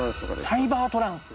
サイバートランス！